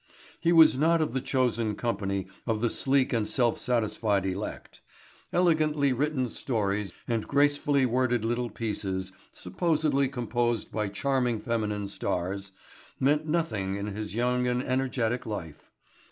He was not of the chosen company of the sleek and self satisfied elect. Elegantly written stories and gracefully worded little pieces, supposedly composed by charming feminine stars, meant nothing in his young and energetic life.